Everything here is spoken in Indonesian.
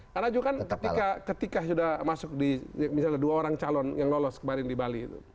karena juga kan ketika sudah masuk di misalnya dua orang calon yang lolos kemarin di bali